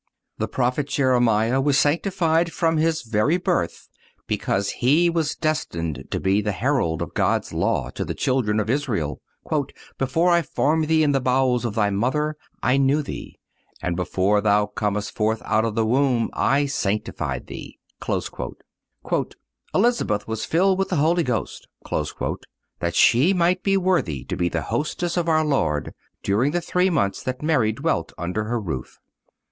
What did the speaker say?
(212) The Prophet Jeremiah was sanctified from his very birth because he was destined to be the herald of God's law to the children of Israel: "Before I formed thee in the bowels of thy mother I knew thee, and before thou camest forth out of the womb I sanctified thee."(213) "Elizabeth was filled with the Holy Ghost,"(214) that she might be worthy to be the hostess of our Lord during the three months that Mary dwelt under her roof.